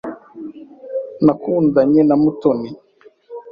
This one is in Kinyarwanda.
Nakundanye na Mutoni.